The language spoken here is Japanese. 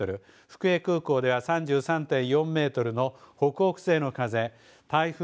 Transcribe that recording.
福江空港では３３．４メートルの北北西の風。